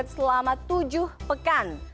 seratus selama tujuh pekan